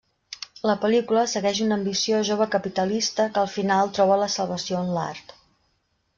La pel·lícula segueix un ambiciós jove capitalista que al final troba la salvació en l'art.